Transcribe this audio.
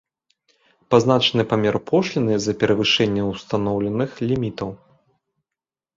Пазначаны памеры пошліны за перавышэнне устаноўленых лімітаў.